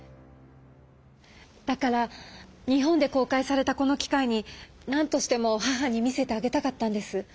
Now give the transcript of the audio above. だから日本で公開されたこの機会になんとしても母に見せてあげたかったんです。